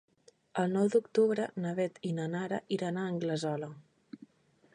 El nou d'octubre na Beth i na Nara iran a Anglesola.